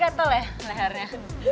gatel ya lehernya